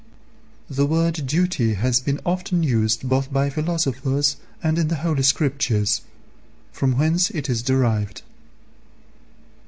The word "Duty" has been often used both by philosophers and in the holy Scriptures; from whence it is derived.